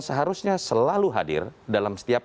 seharusnya selalu hadir dalam setiap